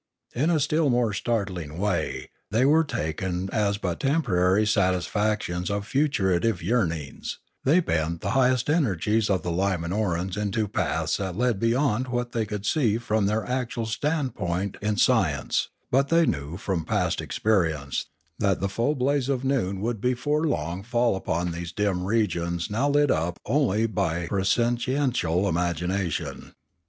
In a still more startling way, they were taken as but temporary satisfactions of futuritive yearnings; they bent the highest energies of the Limanorans into paths that led beyond what they could see from their actual standpoint in science; but they knew from past experience that the full blaze of noon would before long fall upon these dim regions now lit up only by prescient ial imagination.